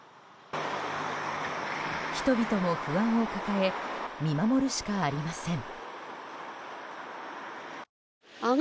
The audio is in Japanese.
人々も不安を抱え見守るしかありません。